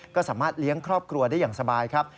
ก็สามารถเลี้ยงครอบครัวได้อย่างสบายครับ